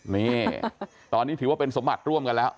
นี่ตอนนี้ถือว่าเป็นสมบัติร่วมกันแล้ว